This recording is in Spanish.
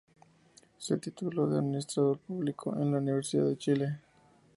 Se tituló de administrador público en la Universidad de Chile.